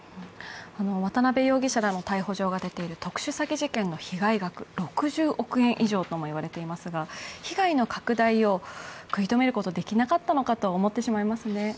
渡辺容疑者らの逮捕状が出ている特殊詐欺事件の被害額６０億円以上とも言われていますが被害の拡大を食い止めることはできなかったのかと思ってしまいますね。